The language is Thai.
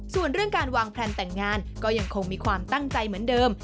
ส่วนเรื่องการวางแพลนแต่งงานก็ยังคงมีความตั้งใจเหมือนเดิม